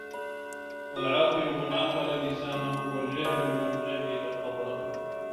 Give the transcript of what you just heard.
العاقل من عقل لسانه والجاهل من جهل قدره